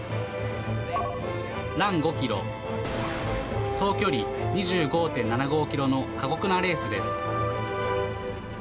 ラン５キロ、総距離２５．７５キロの過酷なレースです。